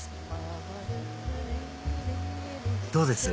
どうです？